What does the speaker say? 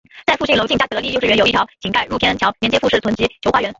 在富信楼近嘉德丽幼稚园有一条有盖行人天桥连接富山邨及琼山苑。